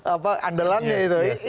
apa andalannya gitu